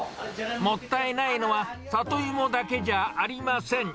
もったいないのはサトイモだけじゃありません。